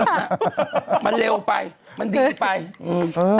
เป็นการกระตุ้นการไหลเวียนของเลือด